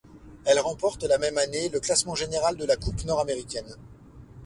Elle remporte, la même année, le classement général de la Coupe nord-américaine.